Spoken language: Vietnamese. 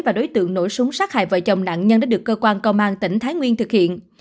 và đối tượng nổ súng sát hại vợ chồng nạn nhân đã được cơ quan công an tỉnh thái nguyên thực hiện